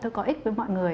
tôi có ích với mọi người